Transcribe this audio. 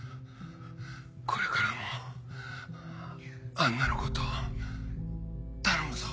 これからもアンナのこと頼むぞ。